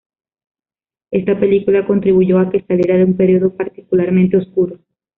Esta película contribuyó a que saliera de un período particularmente oscuro.